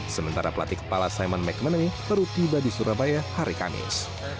sementara pelatih kepala simon mcmanamy baru tiba di surabaya hari kamis